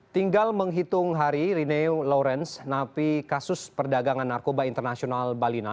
tinggal menghitung hari rené lawrence napi kasus perdagangan narkoba internasional bali sembilan